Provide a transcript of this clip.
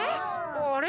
あれ？